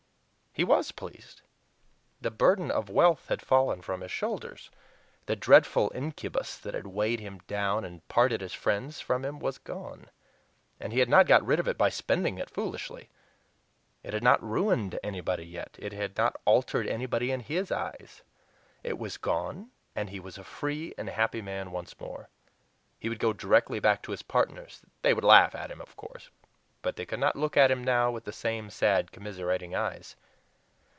He WAS pleased. The burden of wealth had fallen from his shoulders; the dreadful incubus that had weighed him down and parted his friends from him was gone! And he had not got rid of it by spending it foolishly. It had not ruined anybody yet; it had not altered anybody in HIS eyes. It was gone; and he was a free and happy man once more. He would go directly back to his partners; they would laugh at him, of course, but they could not look at him now with the same sad, commiserating eyes.